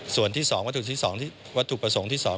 ส่วนที่สองวัตถุประสงค์ที่สอง